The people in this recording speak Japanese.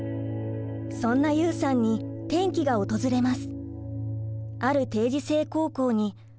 そんなユウさんに転機が訪れます。